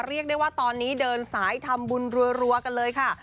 เรียกได้ว่าตอนนี้เดินสายทำบุญรัวกันเลยค่ะ